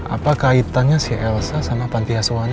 apa kaitannya si elsa sama pantiasuhan ini